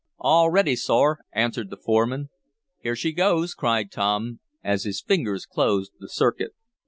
"All ready, sor," answered the foreman. "Here she goes!" cried Tom, as his fingers closed the circuit.